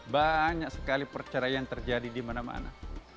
banyak sekali perceraian terjadi di mana mana